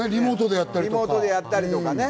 リモートでやったりとか。